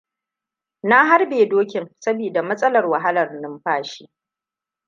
Na harbe dokin saboda matsalar wahala numfashi.